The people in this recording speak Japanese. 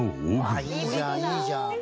いいじゃんいいじゃん。